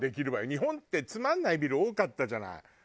日本ってつまんないビル多かったじゃない。